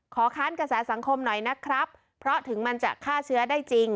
ค้านกระแสสังคมหน่อยนะครับเพราะถึงมันจะฆ่าเชื้อได้จริง